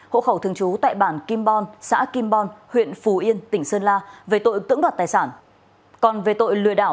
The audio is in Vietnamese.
hộ khẩu thường trú tại bản kim bon xã kim bon huyện phú yên tỉnh sơn la